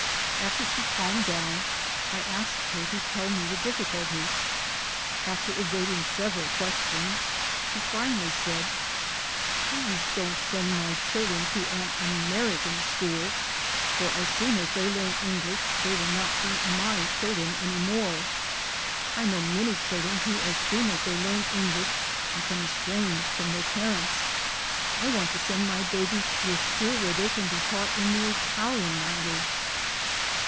After she calmed down, I asked her to tell me the difficulty. After evading several questions, she finally said: "Please don't send my children to an American school, for as soon as they learn English they will not be my children any more. I know many chil dren who as soon as they learn English become estranged from their parents. I want to send my babies to a school where they can be taught in the Italian language."